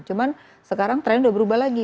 cuma sekarang tren sudah berubah lagi